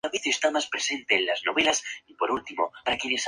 Estudió solfeo y flautín.